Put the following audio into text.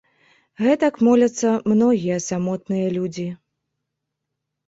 Гэтак моляцца многія самотныя людзі.